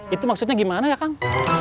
itu maksudnya gimana ya kang